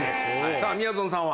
さぁみやぞんさんは？